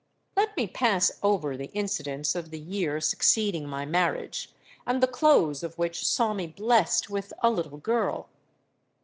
"Let me pass over the incidents of the year succeeding my marriage, and the close of which saw me blessed with a little girl.